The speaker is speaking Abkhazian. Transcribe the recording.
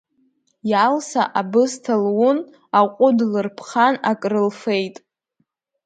Иалса абысҭа лун, аҟәыд лырԥхан акрылфеит.